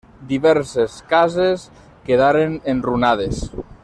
Diverses cases quedaren enrunades.